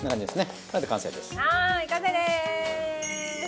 完成でーす。